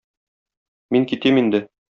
Мин китим инде.